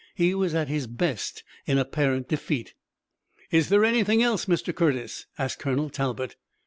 He was at his best in apparent defeat. "Is there anything else, Mr. Curtis?" asked Colonel Talbot.